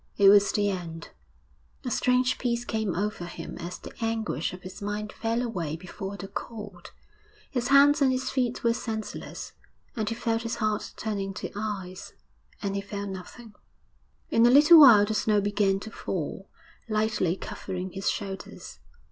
It was the end.... A strange peace came over him as the anguish of his mind fell away before the cold. His hands and his feet were senseless, he felt his heart turning to ice and he felt nothing. In a little while the snow began to fall, lightly covering his shoulders.